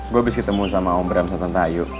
gue abis ketemu sama om bram santantayu